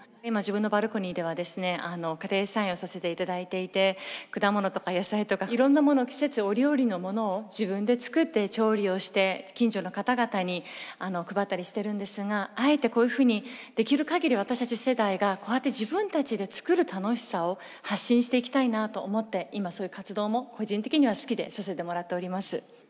今自分のバルコニーではですね家庭菜園をさせていただいていて果物とか野菜とかいろんなものを季節折々のものを自分で作って調理をして近所の方々に配ったりしてるんですがあえてこういうふうにできる限り私たち世代がこうやって自分たちで作る楽しさを発信していきたいなあと思って今そういう活動も個人的には好きでさせてもらっております。